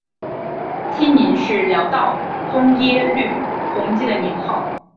清宁是辽道宗耶律洪基的年号。